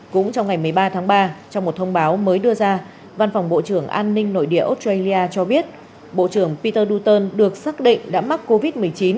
cũng trong ngày một mươi ba tháng ba trong một thông báo mới đưa ra văn phòng bộ trưởng an ninh nội địa australia cho biết bộ trưởng peter duton được xác định đã mắc covid một mươi chín